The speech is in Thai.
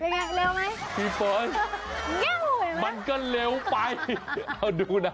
เป็นไงเร็วไหมพี่เปิ้ลมันก็เร็วไปเอาดูนะ